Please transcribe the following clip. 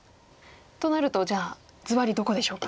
となるとじゃあずばりどこでしょうか？